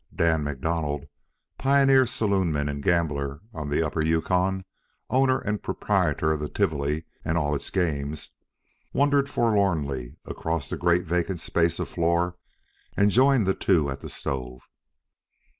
Dan MacDonald, pioneer saloonman and gambler on the upper Yukon, owner and proprietor of the Tivoli and all its games, wandered forlornly across the great vacant space of floor and joined the two at the stove.